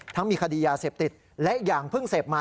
มีคดียาเสพติดและอย่างเพิ่งเสพมา